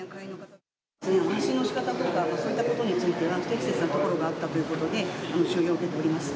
発信のしかたとか、そういったことについては、不適切なところがあったということで、注意を受けております。